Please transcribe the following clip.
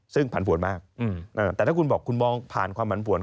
ซึ่งผันผวนมากแต่ถ้าคุณบอกคุณมองผ่านความผันผวน